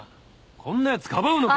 こんなやつかばうのかよ？